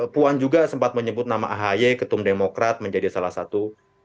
puan juga sempat menyebut nama ahy ketum demokrat menjadi salah satu